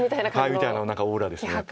みたいなオーラですよね。